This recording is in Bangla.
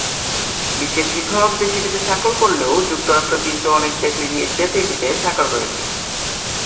বিশ্বের সিংহভাগ দেশ এটিতে স্বাক্ষর করলেও যুক্তরাষ্ট্র ও চীন সহ অনেক দেশ এড়িয়ে যেতে এটিতে স্বাক্ষর করেনি।